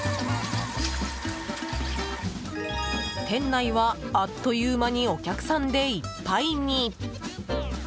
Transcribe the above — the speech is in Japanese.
店内は、あっという間にお客さんでいっぱいに。